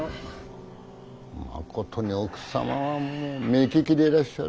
まことに奥様は目利きでいらっしゃる。